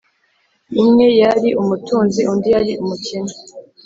umwe yari umutunzi, undi yari umukene.